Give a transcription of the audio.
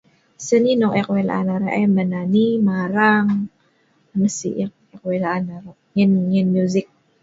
seni nok ek weik la'an arok ai seni menani marang nah sik ek weik la'an arok nyen nyen musik